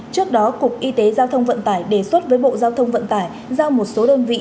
trước đó cục y tế giao thông vận tải đề xuất với bộ giao thông vận tải giao một số đơn vị